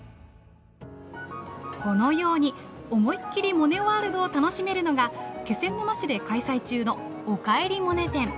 このように思いっきりモネワールドを楽しめるのが気仙沼市で開催中の「おかえりモネ展」。